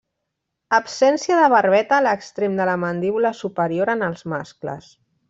Absència de barbeta a l'extrem de la mandíbula superior en els mascles.